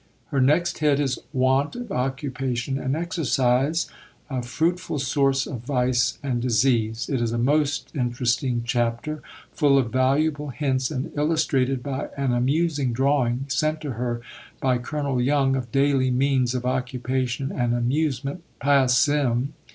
Her next head is "Want of Occupation and Exercise" a fruitful source of vice and disease. It is a most interesting chapter, full of valuable hints and illustrated by an amusing drawing, sent to her by Colonel Young, of "Daily Means of Occupation and Amusement passim."